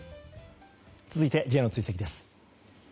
続いてＪの追跡です。